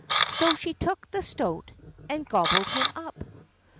So she took the stoat and gobbled him up.